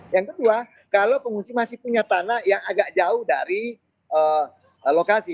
yang kedua kalau pengungsi masih punya tanah yang agak jauh dari lokasi